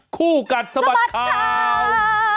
คู่กันสมัติข่าว